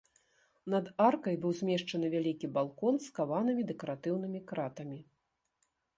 Над аркай быў змешчаны вялікі балкон з каванымі дэкаратыўнымі кратамі.